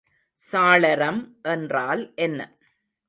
சாளரம் என்றால் என்ன?